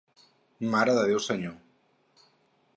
Mare de Déu Senyor!